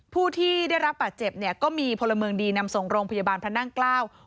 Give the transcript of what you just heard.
ผู้ที่ได้รับบาดเจ็บเนี่ยก็มีพลเมืองดีนำส่งโรงพยาบาลพระนั่งเกล้า